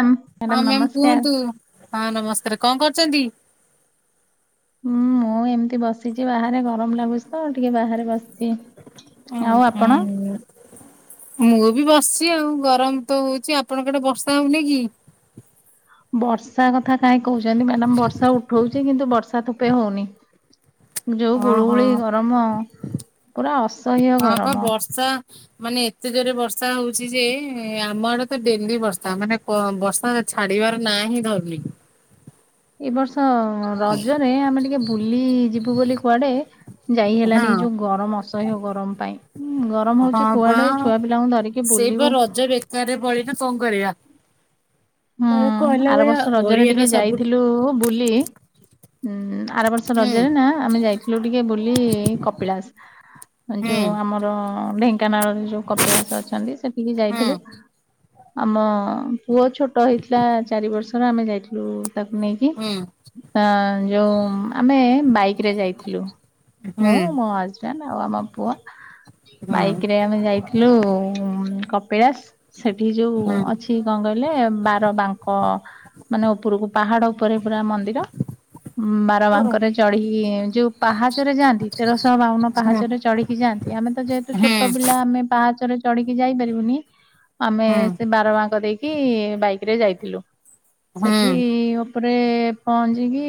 Madam ହଁ ma'am ନମସ୍କାର। କୁହନ୍ତୁ ହଁ ନମସ୍କାର କଣ କରୁଚନ୍ତି? ହୁଁ ମୁଁ ଏମିତି ବସିଚି ବାହାରେ ଗରମ ଲାଗୁଚି ତ ଟିକେ ବାହାରେ ବସିଚି। ଆଉ ଆପଣ? ହୁଁ ମୁଁ ବି ବସିଚି ଆଉ ଗରମ ତ ହଉଚି। ଆପଣଙ୍କ ଆଡେ ବର୍ଷା ହଉନି କି? ବର୍ଷା କଥା କାହିଁ କହୁଚନ୍ତି ମ୍ୟାଡାମ। ବର୍ଷା ଉଠଉଚି କିନ୍ତୁ ବର୍ଷା ଥୁପେ ହଉନି। ଯୋଉ ଓହୋ ଗୁଳୁଗୁଳି ଗରମ ପୁରା ଅ ହଁ ପା ବର୍ଷା ମାନେ ଏତେ ଜୋରେ ବର୍ଷା ହଉଚି ଯେ ଆମ ଆଡେ ତ ଡେଲି ବର୍ଷା ମାନେ କ ବର୍ଷା ଛାଡିବାର ନା ହିଁ ଧରୁନି। ଏ ବର୍ଷ ରଜରେ ଆମେ ଟିକେ ବୁଲି ଯିବୁ ବୋଲି କୁଆଡେ ଯାଇ ହଁ ହେଲାନି ଏ ଯୋଉ ଗରମ ଅସହ୍ୟ ଗରମ ପାଇଁ। ହୁଁ ଗରମ ହଉଚି ହଁ ପା କୁଆଡେ ଛୁଆ ପିଲାଙ୍କୁ ଧରିକି ବୁଲିବୁ। ଘରେ ପଳଇ ଥେ ନା କଣ କରିବା? ହୁଁ କହିଲା ଆର ଭଳିଆ ବର୍ଷ ରଜରେ ଓଡିଆର ଟିକେ ସବୁ ଯାଇଥିଲୁ ବୁଲି ଉଁ ଆର ବର୍ଷ ହୁଁ ରଜରେ ନା ଆମେ ଯାଇଥିଲୁ ଟିକେ ବୁଲି କପିଳାସ। ଏ ହୁଁ ଯୋଉ ଆମର ଢେଙ୍କାନାଳରେ ଯୋଉ କପିଳାସ ଅଛନ୍ତି, ସେଠିକି ହୁଁ ଯାଇଥିଲୁ। ଆମ ପୁଅ ଛୋଟ ହେଇଥିଲା ଚାରି ବର୍ଷର ଆମେ ଯାଇଥିଲୁ ତାକୁ ନେଇକି। ହୁଁ। ହଁ ଯୋଉ ଆମେ ବାଇକ୍ ରେ ଯାଇଥିଲୁ। ହୁଁ ମୁଁ ମୋ ହଜବାଣ୍ଡ ଆଉ ଆମ ପୁଅ। ହୁଁ ହୁଁ ବାଇକ ରେ ଆମେ ଯାଇଥି ଥିଲୁ କପିଳାସ ସେଠି ଯୋଉ ହୁଁ ଅଛି କଣ କହିଲେ ବାର ବାଙ୍କ ମାନେ ଉପରକୁ ପାହାଡ ଉପରେ ପୁରା ମନ୍ଦିର ଉଁ ବା ର ଭିଡ ବାଙ୍କରେ ଚଢ଼ିକି ଯୋଉ ପାହାଚରେ ଯାଆନ୍ତି ତେରଶହ ବାଉନ ପାହାଚରେ ଚଢିକି ଯାଆନ୍ତି। ଏ ଆମେ ତ ଯେହେତୁ ଛୋଟ ପି ତ ଆମେ ପାହାଚରେ ଚଢିକି ଯାଇ ପାରିବୁନି, ଆମେ ସେ ବାର ବାଙ୍କ ଦେଇକି ବାଇ କରେ ଯାଇଥିଲୁ ସେଠି ତାପରେ ପହଞ୍ଚିକି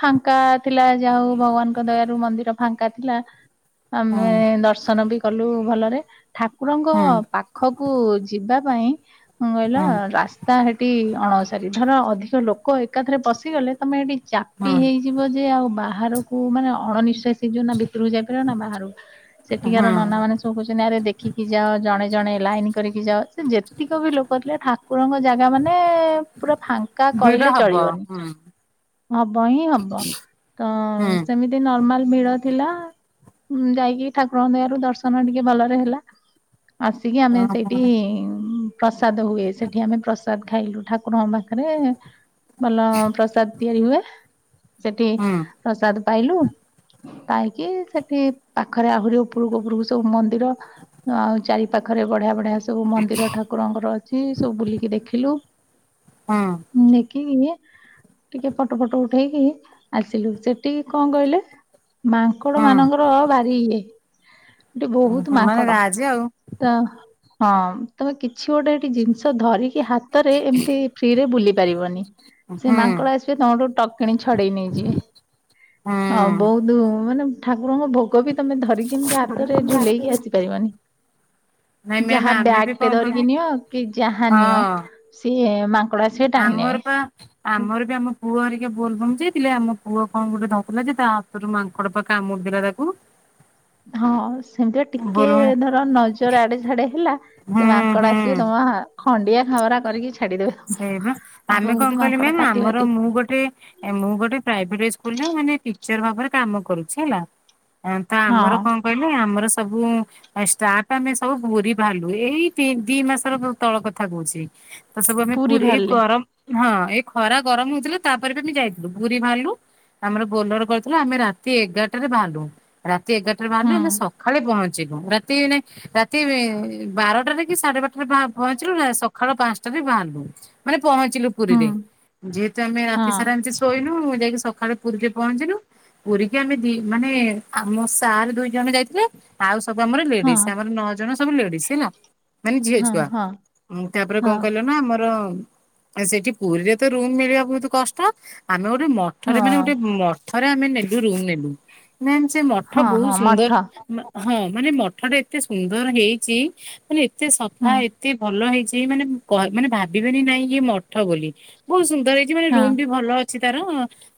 ଫାଙ୍କା ଥିଲା, ଯାହା ହଉ ଭଗବାନଙ୍କ ଦୟାରୁ ମନ୍ଦିର ଫାଙ୍କା ଥିଲା। ଆମେ ଦର୍ଶନ ବି କଲୁ ଭଲରେ। ଠାକୁରଙ୍କ ପାଖ ପାଖକୁ ଯିବା ପାଇଁ କଣ କହିଲ ରାସ୍ ତା ହେଠି ଅଣଓସାରି। ଧର ଅଧିକ ଲୋକ ଏକାଥରେ ପଶିଗଲେ ତମେ ହେଠି ଚାପି ହେଇଯିବ ଯେ ଆଉ ବାହାରକୁ ମାନେ ଅଣନିସ୍ୱଶି ଯଉ ନା ଭିତରକୁ ଯାଇପାରିବ ନା ବାହାରକୁ ସେଠିକାର ନନା ମାନେ କହୁଚନ୍ତି ଆରେ ଦେଖିକି ଯାଅ ଜଣେ ଜଣେ ଲାଇନ୍ କରିକି ଯାଅ। ସେ ଯେତିକ ବି ଲୋକ ଥିଲେ ଠାକୁରଙ୍କ ଜା ଲା ମାନେ ପୁରା ଫା କା କହିଲେ ହବ ଚଳିବନି ହୁଁ ହବ ହିଁ ହବ ତ ହୁଁ ସେମିତି। ନର୍ମାଲ ଭିଡ଼ ଥିଲା ଯାଇକି ଠାକୁରଙ୍କ ଦୟାରୁ ଦର୍ଶନ ଟିକେ ଭଲରେ ହେଲା। ଆସିକି ଆମେ ହୁଁ ସେଇଠି ପ୍ରସାଦ ହୁଏ। ସେଠି ଆମେ ପ୍ରସା ସାଦ ଖାଇଲୁ, ଠାକୁରଙ୍କ ପାଖରେ ଭଲ ପ୍ରସାଦ ତିଆରି ହୁଏ। ସେଠି ହୁଁ ପ୍ରସାଦ ପାଇଲୁ। ପାଇକି ସେଠି ପାଖରେ ଆହୁରି ଉପୂରକୁ ଉପୂରକୁ ସବୁ ମନ୍ଦିର। ଆଉ ଚାରି ପାଖରେ ବଢିଆ ବଢିଆ ସ ସବୁ ମନ୍ଦିର ଠାକୁରଙ୍କର ଅଛି ସବୁ ବୁଲିକି ଦେଖିଲୁ। ଉଁ ଦେଖିକି ଟିକେ ଫଟୋ ଫଟୋ ଉଠେଇକି ଆସିଲୁ, ସେଠିକି କଣ କହିଲେ। ମାଙ୍କଡ ହୁଁ ମାନଙ୍କର ଭାରି ଇଏ ସେଠି ବହୁତ ମାନେ ମାଙ୍କଡ। ରାଜି ଆଉ ତ ହଁ ତମେ କିଛି ଗୋଟେ ସେଠି ଜିନିଷ ଧରିକି ହାତରେ ଏମିତି ଫ୍ରିରେ ବୁଲି ପାରିବନି। ହୁଁ ସେ ହୁଁ ମାଙ୍କଡ ଆସିବେ ତମଠୁ ଟକ୍ କିଣ ଛଡେଇ ନେଇଯିବେ ହଁ ବହୁତ ତୁ ମାନେ ଠାକୁରଙ୍କ ଭୋଗ ବି ତମେ ଧରିକି ଏମିତି ହାତରେ ଝୁଲେଇକି ଆସି ପାରିବନି। ନାଇଁ ମ୍ୟାମ୍ ଯାହା ଆମେ ବି ବ୍ୟାଗ କଣ ଟେ ଧରିକି କହିବି ନିଅ କି ଯାହା ନିଅ ହଁ ସିଏ ମା ଆମର ପା ଆମର ବି ଆମ ପୁଅ ହରିକା ବୋଲବମ ଯାଇଥିଲେ, ଆମ ପୁଅ କଣ ଗୋଟେ ଧଉଥିଲା ଯେ ତା ହତରୁ ମାଙ୍କଡ ପା କାମୁଡି ଦେଲା ତାକୁ। ହଁ ସେମିତି ବା ଟିକେ ବୋଲ ଧର ନଜର ଆଡେ ସାଡେ। ହେଲା ସେ ହୁଁ ମାଙ୍କଡ ଆସିବେ ହୁଁ ତମ ଖଣ୍ଡିଆ ଖାବରା କରିକି ଛାଡିଦେବେ। ସେଇ ବା, ଆଉ ଆମେ ବହୁତ କଣ କହିଲ ମାଙ୍କଡ ମ୍ୟାମ୍ ପାତି ଆମର ପାତି ମୁଁ ଗୋଟେ‌। ମୁଁ ଗୋଟେ ପ୍ରାଇଭେଟ ସ୍କୁଲ ରେ ମାନେ ଟିଚର ଭାବରେ କାମ କରୁଛି ହେଲା। ତ ହଁ ଆମର କଣ କହିଲେ ଆମର ସବୁ। ଆ ଷ୍ଟାପ ଆମେ ସବୁ ପୁରି ବାହାରିଲୁ, ଏଇ ତି ଦି ମାସର ତଳ କଥା କହୁଛି। ତ ସବୁ ଆମେ ପୁରୀ ଏଇ ଗରମ। ହଁ ଏଇ ଖରା ଗରମ ହଉଥିଲା ତାପରେ ବି ଆମେ ଯାଇଥିଲୁ ପୁରୀ ବାହାରିଲୁ। ଆମର ବୋଲର କରିଥିଲୁ ଆମେ ରାତି ଏଗାରଟାରେ ବାହାରଲୁ। ରାତି ଏଗାରଟାରେ ବାହାରିଲୁ ହୁଁ। ଆମେ ସକାଳେ ପହଞ୍ଚିଲୁ ରାତି ଏଇନେ ରାତି ଏ ବାରଟାରେ କି ସାଢେ ବାରଟାରେ ପହଞ୍ଚିଲୁ ନା ସକାଳ ପାଞ୍ଚଟାରେ ବାହାରିଲୁ। ମାନେ ପହଞ୍ଚିଲୁ ହୁଁ ପୁରୀରେ ଯେହେତୁ ଆମେ ହଁ ରାତି ସାରା ଏମିତି। ଶୋଇନୁ ମୁଁ ଯାଇକି ସକାଳେ ପୁରୀ ପହଞ୍ଚିଲୁ। ପୁରୀ କି ଆମେ ଦି ମାନେ ଆମ ସାର୍ ଦୁଇ ଜଣ ଯାଇଥିଲେ। ଆଉ ସବୁ ଆମର ଲେଡିଜ ହଁ ଆମର ନଅ ଜଣ ସବୁ ଲେଡିଜ ହେଲା ମାନେ ଝିଅ ହଁ ଛୁଆ। ହଁ ମୁଁ ତାପରେ କଣ ହଁ କହିଲ ନା ଆମର। ର ସେଠି ପୁରୀରେ ତ ରୁମ ମିଳିବା ବହୁତ କଷ୍ଟ ଆମେ ଗୋଟେ ମ ମଠରେ ହଁ ମାନେ ଗୋଟେ ମଠରେ ଆମେ ନେଲୁ ରୁମ୍ ନେଲୁ। ମ୍ୟାମ ସେ ମଠ ହଁ ବହୁତ ହଁ ମଠ ସୁନ୍ଦର। ହଁ ମାନେ ମଠ ଟା ଏତେ ସୁନ୍ଦର ହେଇଛି ମାନେ। ଏତେ ସଫା ହୁଁ ଏତେ ଭଲ ହେଇଛି ମାନେ କ ମାନେ ଭା ଭାବିବେନି ନାଇଁ ଇଏ ମଠ ବୋଲି ବହୁତ ସୁନ୍ଦର ହେଇଛି। ମାନେ ହଁ ରୁମ ବି ଭଲ ଅଛି ତାର‌।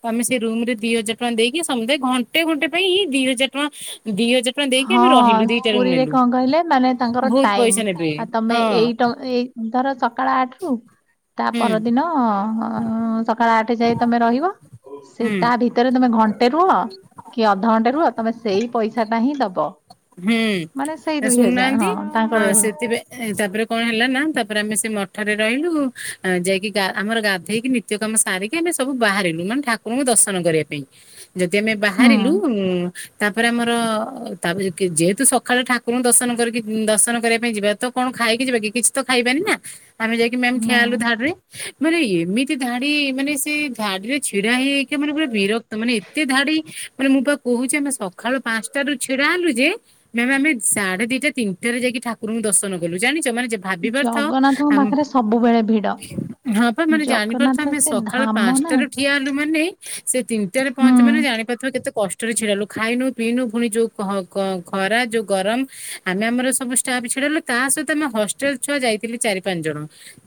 ତ ଆମେ ସେ ରୁମ ରେ ଦି ହଜାର ଟଙ୍କା ଦେଇକି ସମୁଦାୟୀ ଘଣ୍ଟେ ଘଣ୍ଟେ ପାଇଁଁ ଦିଇ ହଜାର ଟଙ୍କା ଦି ହଜାର। ଟଙ୍କା ଦେଇକି ହଁ ଆମେ ରହିଲୁ ଦିଟା ରୁମ ପୁରୀରେ ନେଲୁ କଣ କହିଲେ ମାନେ ତାଙ୍କର ବହୁତ ଟାଇମ ପଇସା ନେବେ ଆ ତମେ ହଁ ଏଇଟ ଏଇ ଧର ସକାଳ ଆଠ ରୁ। ତା ହୁଁ ପରଦିନ ସକାଳ ଆଠ ଯାଏ ତମେ ରହିବ ସେ ହୁଁ। ତା ଭିତରେ। ଭିତରେ ତମେ ଘଣ୍ଟେ ରୁହ କି ଅଧଘଣ୍ଟେ ରୁହ ତମେ ସେଇ ପଇସା ଟା ହିଁ ଦବ। ହୁଁ ମାନେ ସେଇ ଏ ଦୁଇ ଶୁଣୁ ହଜାର ନାହାନ୍ତି ହଁ ଆ ତାଙ୍କର ଏଇଭଳିଆ ସେଥିପାଇଁ। ଏ ତାପରେ କଣ ହେଲା ନା ତାପରେ ଆମେ ସେ ମଠରେ ରହିଲୁ ଯାଇକି ଆମର ଗାଧେଇକି ନି ନିତ୍ୟକର୍ମ ସାରିକି ଆମେ ସବୁ ବାହାରିଲୁ ମାନେ ଠାକୁରଙ୍କୁ ଦର୍ଶନ କରିବା ପାଇଁ। ଯଦି ଆମେ ହୁଁ ବାହାରିଲୁ ଉଁ ତାପରେ ଆମର ତାପ ଯେହେତୁ ସକାଳେ ଠାକୁରଙ୍କୁ ଦର୍ଶନ କରିକି ଦର୍ଶନ କରିବା ପାଇଁ ଯିବା ତ କଣ ଖାଇକି ଯିବା କି କିଛି ତ ଖାଇବାନି ନା ଆମେ ଯାଇକି ମ୍ୟାମ୍ ନା ଠିଆହେଲୁ ଧାଡି ରେ ମାନେ ଏମିତି ଧାଡି ମାନେ ସେ ଧାଡିରେ ଛିଡା ହେଇହେଇକା ମାନେ ପୁରେ ବିରକ୍ତ ମାନେ ଏତେ ଧାଡି ମାନେ ମୁଁ ପା କହୁଛି ଆମେ ସକାଳୁ ପାଞ୍ଚଟାରୁ ଛିଡା ହେଲୁ ମ୍ୟମ ଆମେ ସାଢେ ଦିଟା ତିନିଟାରେ ଯାଇକି ଠାକୁରଙ୍କୁ ଦର୍ଶନ କଲୁ ଜାଣିଛ ମାନେ ଜେ ଭାବି ପାରୁଥିବ ଜଗନ୍ନାଥଙ୍କ ଆମ ପାଖରେ ସବୁବେଳେ ଭିଡ ହଁ ପା ମାନେ ଜାଣିପାରଥିବ ଜଗନ୍ନାଥ ଆମେ ସେ ସକାଳ ଧାମ ନା ପାଞ୍ଚଟାରେ ଠିଆ ହେଲୁ ମାନେ ସେ ତିନିଟାରେ ହୁଁ ପହଞ୍ଚିବ ମାନେ ଜାଣିପାରୁନି କେତେ କଷ୍ ଟରେ ଛିଡା ହେଲୁ ଖାଇନୁ ପିଇନୁ ଫୁଣି ଯୋଉ କହ କ ଖରା ଯୋଉ ଗରମ ଆମେ ଆମର ସବୁ ଷ୍ଟାଫ୍ ଛିଡାହେଲୁ ତା ସହିତ ଆମେ ହଷ୍ଟେଲ ଛୁଆ ଯାଇଥିଲେ ଚାରି ପାଞ୍ଚ ଜଣ।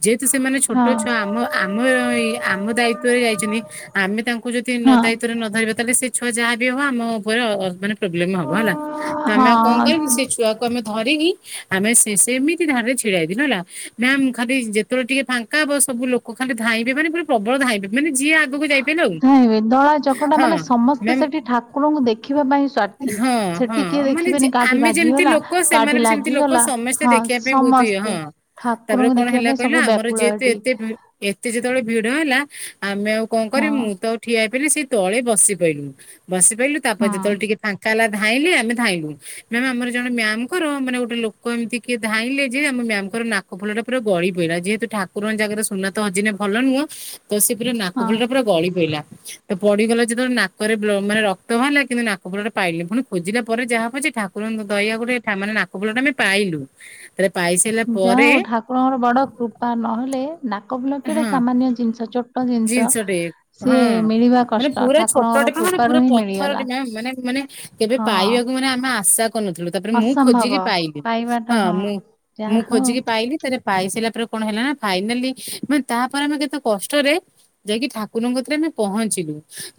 ଯେହେତୁ ସେମାନେ ଛୋଟ ହଁ ଛୁଆ ଆମ ଆମ ଆମ ଦାୟିତ୍ଵରେ ଯାଇଛନ୍ତି ଆମେ ତାଙ୍କୁ ଙ୍କୁ ଯଦି ନ ହଁ ଦାୟିତ୍ୱରେ ନ ଧରିବା ତାହେଲେ ସେ ଛୁଆ ଯାହା ବି ହବ ଆମ ଉପରେ ମାନେ ପ୍ରୋବ୍ଲେମ ହବ ହେଲା। ତ ଆମେ ଆଉ କଣ ହଁ। କରିବି ସେ ଛୁଆକୁ ଆମେ ଧରିକି ଆମେ ସେ ସେମିତି ଧାଡ଼ିରେ ଛିଡାଇଥିଲେୁ ହେଲା ମ୍ୟାମ୍ ଖାଲି ଯେତେବେଳେ ଟିକେ ଫାଙ୍କା ହେବ ସବୁ ଲୋକ ଖାଲି ଧାଇଁବେ ମାନେ ପୁରା ପ୍ରବଳ ଧାଇଁବେ ମାନେ ଯିଏ ଆଗକୁ ଯାଇପାରିବେ ଆଉ। ଧାଇଁବେ ଦଳା ଚକଟା ହଁ ମାନେ ସମସ୍ତେ ମ୍ୟାମ୍ ସେଠି ଠାକୁରଙ୍କୁ ଦେଖିବା ପାଇଁ ସ୍ଵାର୍ଥୀ ହଁ ସେ ହଁ ଟିକେ ମାନେ ଯେ ଦେଖିବେନି କାଠି ଆମେ ଯେମିତି ବାଜିଗଲା ଲୋକ ସେମାନେ କାଠି ବି ସେମିତି ଲୋକ ଲାଗିଗଲା ସମସ୍ତେ ହଁ ଦେଖିବା ପାଇଁ ବହୁତ ଇଏ ହଁ। ସମସ୍ତେ। ତାପରେ ଠାକୁରଙ୍କୁ କଣ ଦେଖିବା ହେଲା ପାଇଁ କହିଲ ସବୁ ଆମର ବ୍ୟାକୁଳ ଯେହେତୁ ଏଠି। ଏତେ ଭି ଏତେ ଯେତେବେଳେ ଭିଡ ହେଲା ଆମେ ଆଉ କଣ ହଁ କରିବୁ ମୁଁ ତ ଠିଆ ହେଇପଇଲି ସେଇ ତଳେ ବସିପଇଲୁ ବସିପଇଲୁ ତାପରେ ହୁଁ ଯେତେବେଳେ ଟିକେ ଫାଙ୍କା ହେଲା ଧା ଧାଇଁଲେ ଆମେ ଧାଇଁଲୁ ମ୍ୟାମ୍ ଆମର ଜଣେ ମ୍ୟାମଙ୍କର ମାନେ ଗୋଟେ ଲୋକ ଏମିତି କିଏ ଧାଇଁଲେ ଯେ ଆମ ମ୍ୟାଙ୍କର ନାକ ଫୁଲ ଟା ପୁର ଗଳି ପଡିଲା ଯେହେତୁ ଠାକୁରଙ୍କ ଜାଗାରେ ସୁନା ତ ହଜିଲେ ଭଲ ନୁହଁ ତ ସେ ପୁରା ନାକ ହଁ। ଫୁଲଟା ପୁରା ଗଳି ପଡିଲା। ତ ପଡିଗଲା ଯେତେବେଳେ ନାକରେ ବ୍ଲ ମାନେ ରକ୍ତ ବାହାରିଲା କିନ୍ତୁ ନାକଫୁଲଟା ପାଇଲେ ପୁଣି ଖୋଜିଲା ପରେ ଯାହୋଉପଛେ ଠାକୁ କୁରଙ୍କ ଦୟା ଗୋଟେ ମାନେ ନାକ ଫୁଲ ଟା ଆମେ ପାଇଲୁ ତାପରେ ପାଇସାଇଲା ଯା ହଉ ଠାକୁରଙ୍କର ବଡ କୃପା ନହେଲେ ନାକ ଫୁଲ କେଡେ ସାମାନ୍ୟ ଜିନିଷ ଛୋ ଜିନିଷ ଟେ ହଁ ମାନେ କଷ୍ଟ ପୁରା ଠାକୁରଙ୍କର ଛୋଟଟେ ମାନେ କୃପାରୁ ପୁରା ହିଁ ପଥର ମିଳିଗଲା। ଟେ ମ୍ୟମ ମାନେ ମାନେ। କେବେ ହଁ ପାଇବାକୁ ମାନେ ଆମେ ଆଶା କରୁନଥିଲୁ। ତାପରେ ମୁଁ ଅସମ୍ଭବ ଖୋଜିକି ପାଇଲି ହଁ ମୁଁ ଯାହା ମୁଁ ହଉ ଖୋଜିକି ପାଇଲି। ତାପରେ ପାଇ ସାରିଲା ପରେ କଣ ହେଲା ନା ଫାଇନାଲି ମାନେ ତାପରେ ଆମେ କେତେ କଷ୍ଟରେ। ଯାଇକି ଠାକୁରଙ୍କକତିରେ ଆମେ ପହଞ୍ଚିଲୁ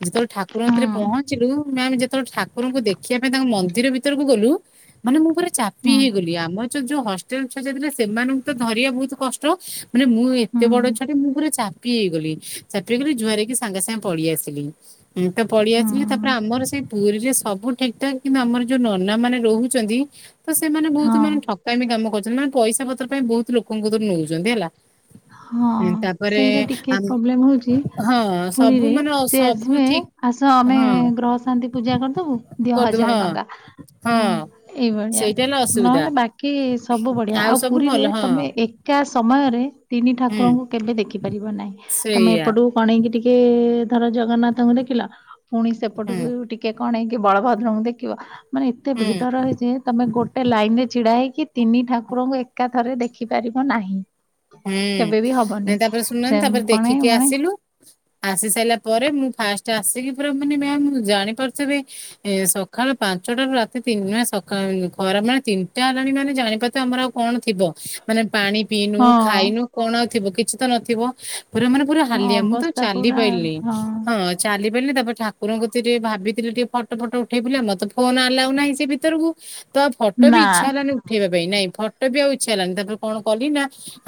ଯେତେବେଳେ ଠାକୁରଙ୍କ ହୁଁ ଥରେ ପହଞ୍ଚିଲୁ ମ୍ୟାମ ଯେତେବେଳେ ଠାକୁ ଠାକୁରଙ୍କୁ ଦେଖିବା ପାଇଁ ତାଙ୍କ ମନ୍ଦିର ଭିତରକୁ ଗଲୁ ମାନେ ମୁଁ ପୁରା ଚାପି ହୁଁ ହେଇଗଲି ଆମର ଯୋଉ ହଷ୍ଟେଲ ଛୁଆ ଯାଇଥିଲେ ସେମାନଙ୍କୁ ତ ଧରିବା ବହୁତ କଷ୍ଟ। ମାନେ ମୁଁ ଏତେ ବଡ ହୁଁ ଛୁଆଟେ ମୁଁ ପୁରା ଚାପି ହେଇଗଲି ଚାପି ହେଇଗଲି ଯୁହାର ହେଇକି ସାଙ୍ଗେ ସାଙ୍ଗେ ପଳେଇଆସିଲି। ହଁ ତ ହଁ ପଳେଇଆସିଲି ତାପରେ ଆମର ସେଇ ପୁରୀରେ ସବୁ ଠିକ୍ ଠାକ୍ କିନ୍ତୁ ଆମର ଯୋଉ ନନା ମାନେ ରହୁଛନ୍ତି ତ ସେମାନେ ବହୁତ ସେମାନେ ଠକ ହଁ କାମି କାମ କରୁଛନ୍ତି ମାନେ ପଇସା ପତର ପାଇଁ ବହୁତ ଲୋକଙ୍କ କତିରୁ ନଉଛନ୍ତି ହେଲା ହଁ ତାପରେ ସେଇଟା ଟିକେ ଆମ ପ୍ରୋବଲେମ ହଉଛି ହଁ ସବୁ ପୁରୀରେ ମାନେ ସେ ସବୁ ଆସିବେ ଠିକ ଆସ ଆମେ ହଁ ଗ୍ରହ ଶାନ୍ତି ପୂଜା କରିଦବୁ ଦିଅ କରିଦବ ହଜାର ହଁ ଟଙ୍କା ହଁ ଏଇଭଳିଆ ସେଇଟା ହେଲା ଅସୁବିଧା ନହେଲେ ବାକି କି ସବୁ ବଢିଆ ଆଉ ସବୁ ପୁରୀରେ ଭଲ ହଁ ତମେ ଏ କା ସମୟରେ ତିନି ହୁଁ ଠାକୁରଙ୍କୁ କେବେ ଦେଖିପାରିବ ନାହିଁ ତମେ ସେଇଆ ଏପଟୁ କଣେଇକି ଟିକେ ଧର ଜଗନ୍ନାଥଙ୍କୁ ଦେଖିଲ ପୁଣି ହୁଁ ସେପଟକୁ ଟିକେ ଟିକେ କଣେଇକି ବଳଭଦ୍ରଙ୍କୁ ଦେଖିବ ମାନେ ଏତେ ଭିଡ ହୁଁ। ରହେ ଯେ ତମେ ଗୋଟେ ଲାଇନ ରେ ଛିଡା ହେଇକି ତିନି ଠାକୁରଙ୍କୁ ଏକା ଥରେ ଦେଖିପାରିବ ନାହିଁ। ହୁଁ କେବେ ବି ହବନି ନାଇ ତାପରେ ସେ ଶୁଣୁନାନ୍ତି ତାପରେ କଣେ ଦେଖିକି ମଣେ ଆସିଲୁ। ଆସି ସାରିଲା ପରେ ମୁଁ ଫାଷ୍ଟ ଆସିକି ପୁରା ମାନେ ମ୍ୟାମ୍ ଜାଣି ପାରୁଥିବେ ଏ ସକାଳୁ ପାଞ୍ଚଟାରୁ ରାତି ତିନିଟା ସକାଳ ଖରା ମାନେ ତିନିଟା ହେଲାଣି ମାନେ ଜାଣିପାରୁଥିବେ ଆମର ଆଉ କଣଥିବ ମାନେ ପାଣି ପିଇନୁ। ହଁ ଖାଇନୁ କଣ ଆଉ ଥିବ କିଛି ତ ନଥିବ ପୁରା ମାନେ ପୁରା ହଁ ହାଲିଆ ମୁଁ ତ ଆଉ ଅବସ୍ଥା ଚାଲି ପୁରା ପାଇଲିନି ହଁ ଚାଲି ପାରିଲିନି ତାପରେ ଠାକୁରଙ୍କୁ ଟିକେ ଭାବିଥିଲେ ଟିକେ ଫଟୋ ଫଟୋ ଉଠେଇବି ବୋଲି ଆମର ତ ଫୋନ୍ ଆଲାଉ ନାହିଁ ସେ ଭିତରକୁ ତ ଆଉ ଫଟୋ ବି ନା ଇଚ୍ଛା ହେଲାନି ଉଠେଇବା ପାଇଁ ନାଇଁ ଫଟୋ ବି ଆଉ ଇଚ୍ଛା ହେଲାନି ତାପରେ କଣ କଲି ନା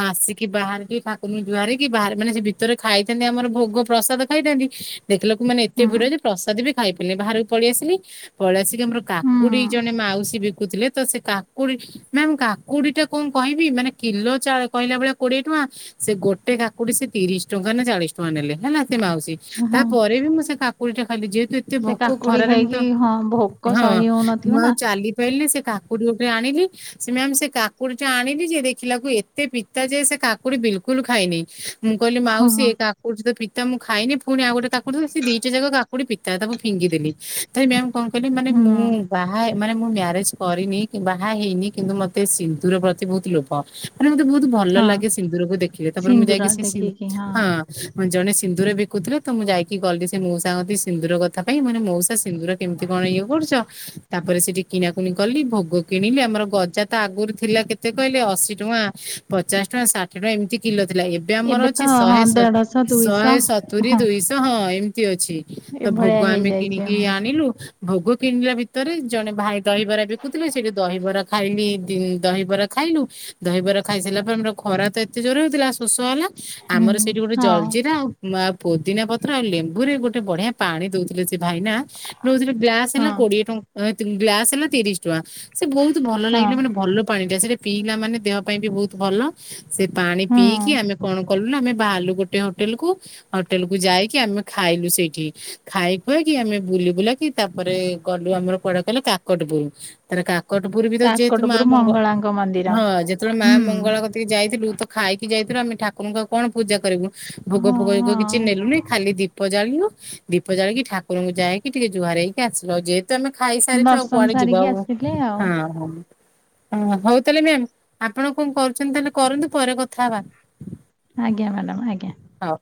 ଆସିକି ବାହାରେ ଟିକେ ଠାକୁରଙ୍କୁ ଜୁହାର ହେଇକି ବାହାରେ ମାନେ ସିଏ ଭିତରେ ଖାଇଥାନ୍ତି ଆମର ଭୋଗ ପ୍ରସାଦ ଖାଇଥାନ୍ତି ଦେଖିଲାକୁ ମାନେ ଏତେ ହୁଁ ଭିଡ ଯେ ପ୍ରସାଦ ବି ଖାଇପାରିଲିନି ବାହାରକୁ ପଳେଇଆସିଲି ପଳେଇଆସି ଯେ ଆମର କାକୁଡି ଜଣେ ମାଉସୀ ବିକୁଥିଲେ ତ ସେ କା କୁଡି ମ୍ୟାମ୍ କାକୁଡି ଟା କଣ କହିବି ମାନେ କିଲୋ ଚାଳ କହିଲାବେଳେ କୋଡିଏ ଟଙ୍କା ସେ ଗୋଟେ କାକୁଡି ସେ ତିରିଶ ଟଙ୍କା ନା ଚାଳିଶ ଟଙ୍କା ନେଲେ ନା ନା ସେ ମାଉସୀ ହୁଁ ହଁ। ତାପରେ ବି ମୁଁ ସେ କାକୁଡିଟା ଖାଇଲି ଯେହେତୁ ଏତ ତେ ସେ ଭୋକ କାକୁଡି ଖରାରେ ମୁଁ ତ ଖାଇକି ହଁ ଭୋକ ହଁ ସହି ହଉନଥିବ ମୁଁ ଆଉ ନା ଚାଲି ପାଇଲିନି ସେ କାକୁଡି ଗୋଟେ ଆଣିଲି ସେ ମ୍ୟାମ୍ ସେ କାକୁଡିଟା ଆଣିଲି ଯେ ଦେଖିଲାକୁ ଏ ଏତେ ପିତା ଯେ ସେ କାକୁଡି ବିଲକୁଲ ଖାଇନେଇ ମୁଁ କହିଲି ହଁ ମାଉସୀ ଏ କାକୁଡି ତ ପିତ ତ ମୁଁ ଖାଇନି ଫୁଣି ଆଉ ଗୋଟେ କାକୁଡି ଦେଲେ ସେ ଦିଟା ଯାକ କାକୁଡି ପିତା ତାକୁ ଫିଙ୍ଗିଦେଲି। ତଥାପି ମ୍ୟାମ କଣ କଲି ମାନେ ହୁଁ ମୁଁ ବାହା ମାନେ ମୁଁ ମ୍ୟାରେଜ କରିନି କି ବାହା ହେଇନି କିନ୍ତୁ ମତେ ସିନ୍ଦୁର ପ୍ରତି ବହୁତ ଲୋଭ। ମାନେ ମତେ ବହୁତ ଭଲ ହଁ ଲାଗେ ସିନ୍ଦୁରକୁ ଦେଖିଲେ ତାପରେ ମୁଁ ସିନ୍ଦୁର ଯାଇକି ସେ ସିନ୍ଦ ଦେଖିକି ହଁ ହଁ ଜଣେ ସିନ୍ଦୁର ବିକୁଥିଲେ ତ ମୁଁ ଯାଇକି ଗଲି ସେ ମଉସାଙ୍କ କତିକି ସିନ୍ଦୁର କଥା ପାଇଁ ମାନେ ମଉସା ସିନ୍ଦୁର କେମିତି କଣ ଇଏ କରୁଛ? ତାପରେ ସେଠି କିଣାକୁଣି କଲି ଭୋଗ କିଣିଲି ଆମର ଗଜା ତ ଆଗରୁ ଥିଲା କେତେ କହିଲେ ଅଶି ଟଙ୍କା ପଚାଶ ଟଙ୍କା ଷାଠିଏ ଟଙ୍କା ଏମିତି କିଲ ଥିଲା ଏବ ବେ ଆମର ଏବେ ଅଛି ତ ହଁ ଶହେ ଶହ ଦେଢଶହ ଶହେ ଦୁଇଶହ ସତୁରି ହଁ ଦୁଇଶହ ହଁ ଏମିତି ଅଛି। ତ ଭୋଗ ଏଭଳିଆ ଆମେ ହେଇଯାଇଛି କିଣିକି ହୁଁ ଆଣିଲୁ ଭୋଗ କିଣିଲା ଭିତରେ ଜଣେ ଭାଇ ଦହିବରା ବିକୁଥିଲେ ସେଠି ଦହିବରା ଖାଇଲି ଦି ଦହିବରା ଖାଇଲୁ ଦହିବରା ଖାଇସାରିଲା ପରେ ଆମର ଖରା ତ ଏତେ ଜୋରରେ ହଉଥିଲା ଶୋଷ ହେଲା ହୁଁ ଆମର ସେଇଠି ଗୋଟେ ହଁ ଜଲଜିରା ଆଉ ଆଉ ପୋଦିନା ପତ୍ର ଆଉ ଲେମ୍ବୁ ରେ ଗୋଟେ ବଢିଆ ପାଣି ଦଉଥିଲେ ସେ ଭାଇନା ଦଉଥିଲେ ଗ୍ଲାସ୍ ସ ହେଲା ହଁ କୋଡିଏ ଟଙ୍କ ଅ ଏତିକି ଗ୍ଲାସ୍ ହେଲା ତିରିଶ ଟଙ୍କା ସେ ବହୁତ ଭଲ ହଁ ଲାଗିଲା ମାନେ ଭଲ ପାଣି ଟା ସେଇଟା ପିଇଲା ମାନେ ଦେହ ପାଇଁ ବି ବହୁତ ଭଲ ସେ ପାଣି ପିଇକି ହୁଁ ଆମେ କଣ କଲୁ ନା ଆମେ ବାହାରିଲୁ ଗୋଟେ ହୋଟେଲ କୁ ହୋଟେଲକୁ ଯାଇକି ଆମେ ଖାଇଲୁ ସେଇଠି ଖାଇଖୁଆକି ଆମେ ବୁଲିବୁଲାକି ତାପରେ ଗଲୁ ଆମର କୁଆଡେ କହିଲ କାକଟପୁର ତାପରେ କାକଟପୁର ବି ତ ଯେହେତୁ ମା କାକଟପୁର ମଙ୍ଗ ମଙ୍ଗଳାଙ୍କ ମନ୍ଦିର ହଁ ଯେ ତାପରେ ମା ହୁଁ ମଙ୍ଗଳା କତିକି ଯାଇଥିଲୁ ତ ଖାଇକି ଯାଇଥିଲୁ ଆମେ ଠାକୁରଙ୍କୁ ଆଉ କଣ ପୂଜା କରିବୁ? ଭୋଗ ହଁ ଫୋଗ ହଁ ଏଗୁରା କିଛି ନେଲୁନି ଖାଲି ଦୀପ ଦୀପ ଜାଳିଲୁ ଦୀପ ଜାଳିକି ଠାକୁରଙ୍କୁ ଯାଇକି ଟିକେ ଜୁହାର ହେଇକି ଆସିଲୁ ଆଉ ଯେହେ ତ ଆମେ ଖାଇସାରିଥାଉ ଆଉ ଦର୍ଶନ କୁଆଡେ ଯିବା ସାରିକି ଆଉ ହଁ ଆସିଲେ ଆଉ ହଉ ହଁ ହଉ ହଉ ତାହେଲେ ମ୍ୟାମ ଆପଣ କଣ କରୁଛନ୍ତି ତାହେଲେ କରନ୍ତୁ ପରେ କଥା ହବା। ଆଜ୍ଞା ମ୍ୟାଡ଼ାମ ଆଜ୍ଞା। ହଉ।